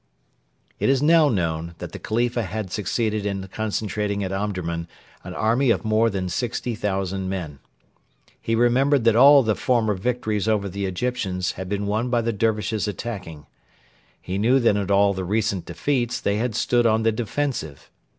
It is now known that the Khalifa had succeeded in concentrating at Omdurman an army of more than 60,000 men. He remembered that all the former victories over the Egyptians had been won by the Dervishes attacking. He knew that in all the recent defeats they had stood on the defensive.